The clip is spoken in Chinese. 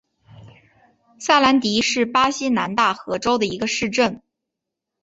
萨兰迪是巴西南大河州的一个市镇。